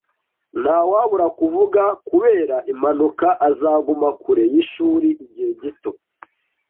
Ntawabura kuvuga, kubera impanuka, azaguma kure yishuri igihe gito.